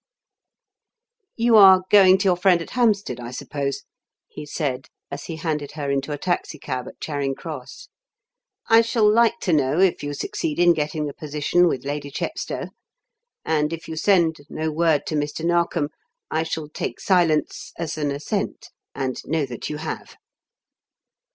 "You are going to your friend at Hampstead, I suppose," he said as he handed her into a taxicab at Charing Cross. "I shall like to know if you succeed in getting the position with Lady Chepstow; and if you send no word to Mr. Narkom, I shall take silence as an assent and know that you have."